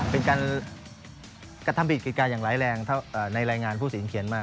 เป็นการกระทำกิจการอย่างไร้แรงในรายงานผู้ศีลเขียนมา